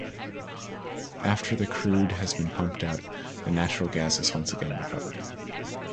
After the crude has been pumped out, the natural gas is once again recovered.